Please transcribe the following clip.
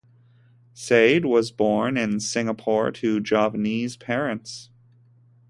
Said was born in Singapore to Javanese parents.